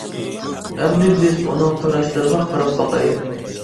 ئەمدى بىز ئۇنىڭ قاراشلىرىغا قاراپ باقايلى.